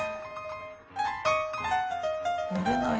乗れない。